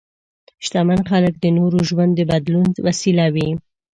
شتمن خلک د نورو ژوند د بدلون وسیله وي.